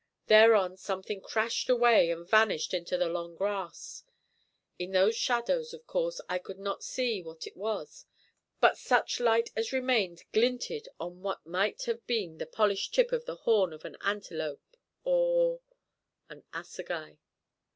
Thereon something crashed away and vanished into the long grass. In those shadows, of course, I could not see what it was, but such light as remained glinted on what might have been the polished tip of the horn of an antelope or an assegai.